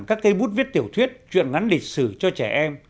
các cây bút viết tiểu thuyết chuyện ngắn địch sử cho trẻ em